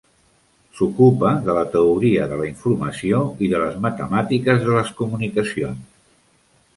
S'ocupa de la teoria de la informació i de les matemàtiques de les comunicacions.